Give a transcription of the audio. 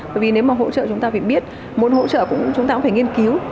bởi vì nếu mà hỗ trợ chúng ta phải biết muốn hỗ trợ chúng ta cũng phải nghiên cứu